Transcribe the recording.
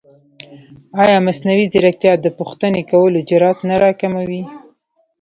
ایا مصنوعي ځیرکتیا د پوښتنې کولو جرئت نه راکموي؟